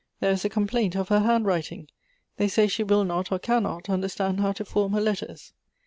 There is a complaint of her handwriting. They say she will not, or cannot, understand how to form her letters.